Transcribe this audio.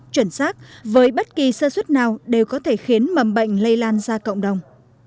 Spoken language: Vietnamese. chuẩn xác với bất kỳ sơ suất nào đều có thể khiến mầm bệnh lây lan ra cộng đồng